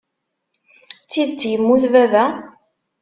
D tidet yemmut baba?